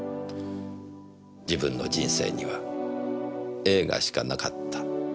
自分の人生には映画しかなかった。